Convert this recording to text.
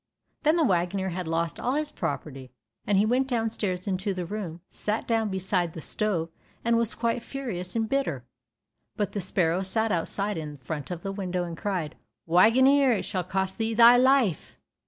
Then the waggoner had lost all his property, and he went downstairs into the room, sat down behind the stove and was quite furious and bitter. But the sparrow sat outside in front of the window, and cried, "Waggoner, it shall cost thee thy life."